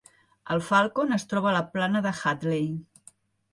El "Falcon" es troba a la plana de Hadley.